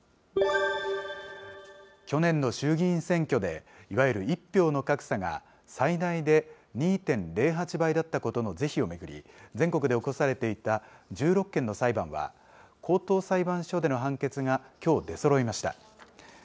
去年の衆議院選挙で、いわゆる１票の格差が最大で２．０８倍だったことの是非を巡り、全国で起こされていた１６件の裁判は、高等裁判所での判決がきょう出そろいました。